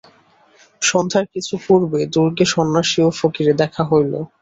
সন্ধ্যার কিছু পূর্বে দুর্গে সন্ন্যাসী ও ফকিরে দেখা হইল।